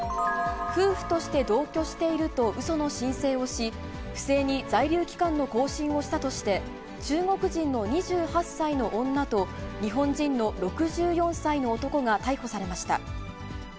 夫婦として同居しているとうその申請をし、不正に在留期間の更新をしたとして、中国人の２８歳の女と、日本人の６４歳の男が逮捕されました。